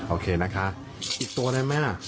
โอเคนะคะอีกตัวได้ไหมล่ะ